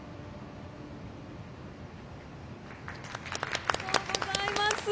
ありがとうございます。